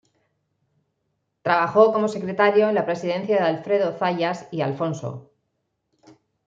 Trabajó como secretario en la presidencia de Alfredo Zayas y Alfonso.